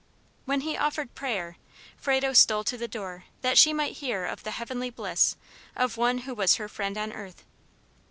When he offered prayer, Frado stole to the door that she might hear of the heavenly bliss of one who was her friend on earth.